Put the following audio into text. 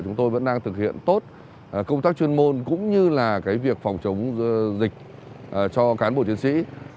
chúng tôi vẫn đang thực hiện tốt công tác chuyên môn cũng như là việc phòng chống dịch cho cán bộ chiến sĩ